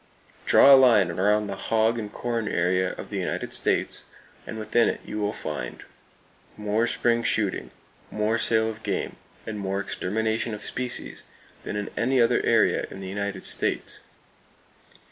Draw a line around the hog and corn area of the United States, and within it you will find more spring shooting, more sale of game and more extermination of species than in any other area in the United States.